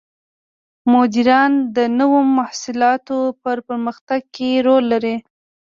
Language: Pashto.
مدیران د نوو محصولاتو په پرمختګ کې رول لري.